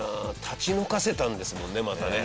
立ち退かせたんですもんねまたね